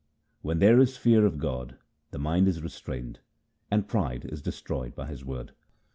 When there is fear of God the mind is restrained, and pride is destroyed by His word.